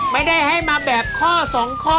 ไม่ได้ให้มาแบบข้อสองข้อ